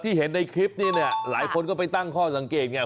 เห็นในคลิปนี้เนี่ยหลายคนก็ไปตั้งข้อสังเกตไง